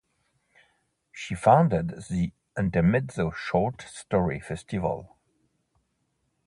She founded the Intermezzo Short Story Festival.